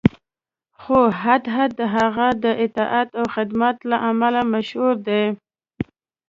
خو هدهد د هغه د اطاعت او خدمت له امله مشهور دی.